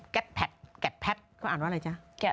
แก๊ดแพทเขาอ่านว่าอะไรจ๊ะ